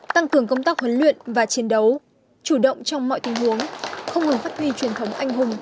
tăng cường công tác huấn luyện và chiến đấu chủ động trong mọi tình huống không ngừng phát huy truyền thống anh hùng